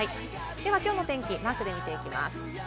では今日の天気、マークで見ていきます。